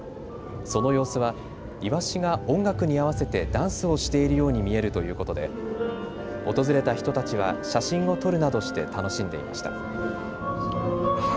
その様子はイワシが音楽に合わせてダンスをしているように見えるということで訪れた人たちは写真を撮るなどして楽しんでいました。